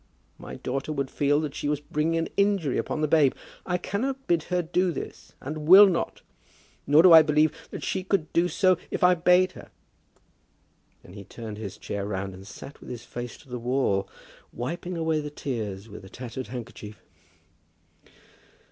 My daughter would feel that she was bringing an injury upon the babe. I cannot bid her do this, and I will not. Nor do I believe that she would do so if I bade her." Then he turned his chair round, and sat with his face to the wall, wiping away the tears with a tattered handkerchief.